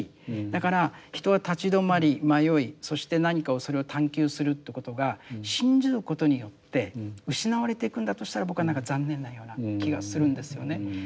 だから人は立ち止まり迷いそして何かをそれを探求するってことが信じることによって失われていくんだとしたら僕はなんか残念なような気がするんですよね。